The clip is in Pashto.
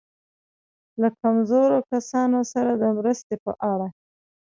له کمزورو کسانو سره د مرستې په اړه.